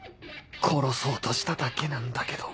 殺そうとしただけなんだけど